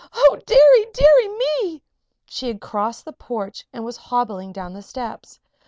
Oh, deary, deary me!" She had crossed the porch and was hobbling down the steps.